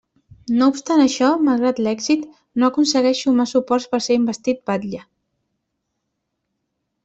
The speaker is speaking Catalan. No obstant això, malgrat l'èxit, no aconsegueix sumar suports per ser investit batle.